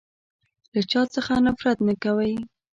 له چا څخه نفرت نه کوی.